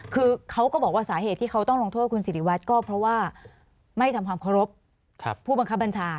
คือเขาก็บอกว่าสาเหตุที่เขาต้องลงโทษคุณสิริวัตรก็เพราะว่าไม่ทำความเคารพผู้บังคับบัญชา